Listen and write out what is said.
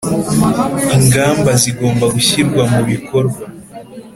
ingamba zigomba gushyirwa mu bikorwa